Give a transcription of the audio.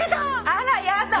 あらやだ！